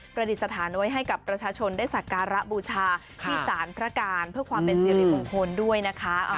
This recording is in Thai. ดิษฐานไว้ให้กับประชาชนได้สักการะบูชาที่สารพระการเพื่อความเป็นสิริมงคลด้วยนะคะ